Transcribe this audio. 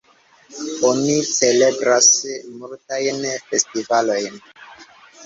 Oni celebras multajn festivalojn.